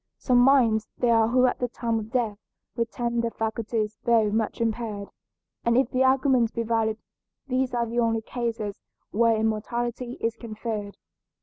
Some minds there are who at the time of death retain their faculties though much impaired, and if the argument be valid these are the only cases where immortality is conferred.